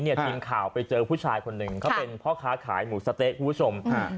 ทีมข่าวไปเจอผู้ชายคนหนึ่งเขาเป็นพ่อค้าขายหมูสะเต๊ะคุณผู้ชม